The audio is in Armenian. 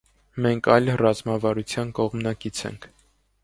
Մենք այլ ռազմավարության կողմնակից ենք։